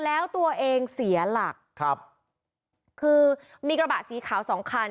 แล้วตัวเองเสียหลักครับคือมีกระบะสีขาวสองคัน